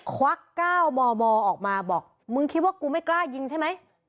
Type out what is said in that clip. ควัก๙มมออกมาบอกมึงคิดว่ากูไม่กล้ายิงใช่ไหม